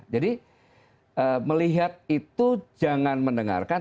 jadi melihat itu jangan mendengarkan